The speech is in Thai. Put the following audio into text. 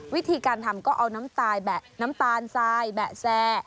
วิธีการทำก็เอาน้ำตายแบะน้ำตาลทรายแบะแซ